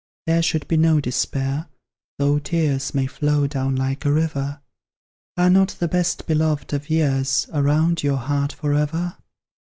There should be no despair though tears May flow down like a river: Are not the best beloved of years Around your heart for ever?